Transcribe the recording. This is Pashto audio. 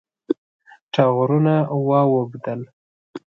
ټغرونه واوبدل